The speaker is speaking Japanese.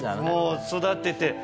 もう育てて。